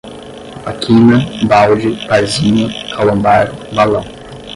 vaquina, balde, parzinha, calombar, balão